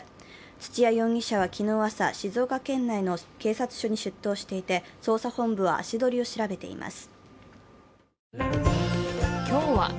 土屋容疑者は昨日朝、静岡県内の警察署に出頭していて、捜査本部は足取りを調べています。